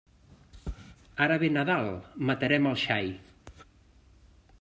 Ara ve Nadal, matarem el xai.